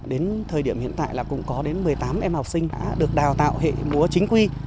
đến thời điểm hiện tại là cũng có đến một mươi tám em học sinh đã được đào tạo hệ múa chính quy